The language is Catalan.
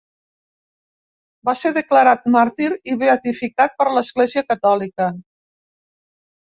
Va ser declarat màrtir i beatificat per l'Església Catòlica.